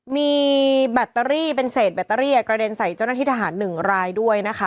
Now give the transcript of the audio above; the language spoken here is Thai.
มีแบตเตอรี่เป็นเศษแบตเตอรี่กระเด็นใส่เจ้าหน้าที่ทหาร๑รายด้วยนะคะ